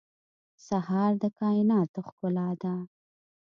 سهار د کایناتو ښکلا ده.